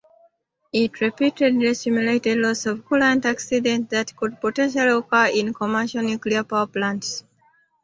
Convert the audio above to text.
It repeatedly simulated loss-of-coolant accidents that could potentially occur in commercial nuclear power plants.